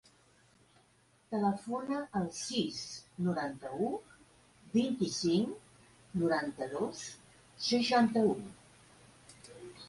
Telefona al sis, noranta-u, vint-i-cinc, noranta-dos, seixanta-u.